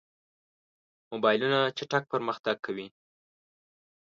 موبایلونه چټک پرمختګ کوي.